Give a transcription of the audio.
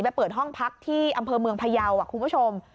เปิดห้องพักที่อำเภอเมืองพยาวคุณผู้ชม